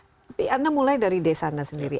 tapi anda mulai dari desa anda sendiri